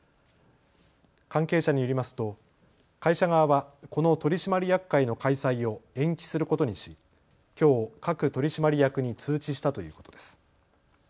関係者によりますと会社側はこの取締役会の開催を延期することにしきょう各取締役に通知したということです。